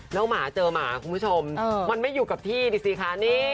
แล้วหมาเจอหมาคุณผู้ชมมันไม่อยู่กับที่ดิสิคะนี่